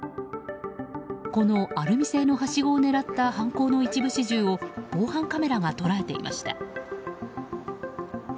このアルミ製のはしごを狙った犯行の一部始終を防犯カメラが捉えていました。